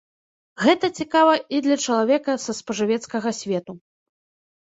Гэта цікава і для чалавека са спажывецкага свету.